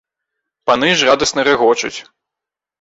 Паны ж радасна рагочуць.